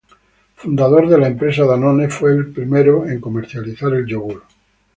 Fundador de la empresa Danone, fue el primero en comercializar el yogur.